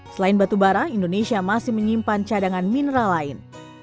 selain batu bara indonesia masih menyimpan cadangan mineral lain